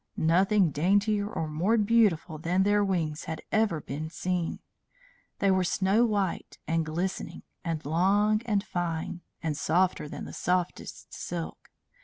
Nothing daintier or more beautiful than their wings had ever been seen. They were snow white and glistening, and long and fine, and softer than the softest silk.